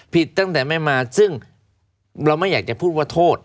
ตั้งแต่ไม่มาซึ่งเราไม่อยากจะพูดว่าโทษ